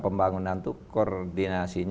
pembangunan itu koordinasi